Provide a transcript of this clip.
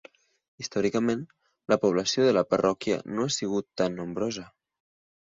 Històricament, la població de la parròquia no ha sigut tan nombrosa.